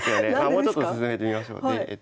もうちょっと進めてみましょう。